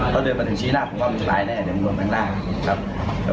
ถ้าผมกลับที่นี่ก็เลนต์ไวท์ที่บ่อยด้วย